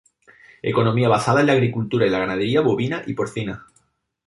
Economía basada en la agricultura y la ganadería bovina y porcina.